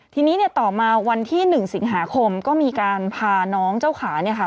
ทีนี้เนี่ยต่อมาวันที่๑สิงหาคมก็มีการพาน้องเจ้าขาเนี่ยค่ะ